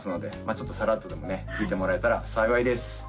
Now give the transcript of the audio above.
ちょっとサラッとでもね聴いてもらえたら幸いです